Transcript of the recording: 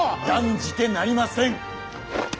断じてなりません！